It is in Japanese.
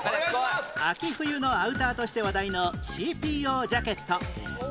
秋・冬のアウターとして話題の ＣＰＯ ジャケット